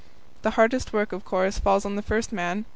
The hardest work, of course, falls on the first man.